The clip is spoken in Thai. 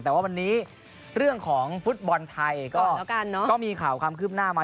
แต่ว่าวันนี้เรื่องของฟุตบอลไทยก็มีข่าวความคืบหน้ามา